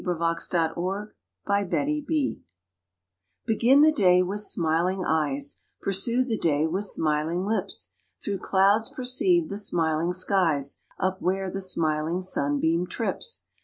A RECIPE FOR HAPPINESS BEGIN the day with smiling eyes ; Pursue the day with smiling lips; Through clouds perceive the smiling skies Up where the smiling sunbeam trips.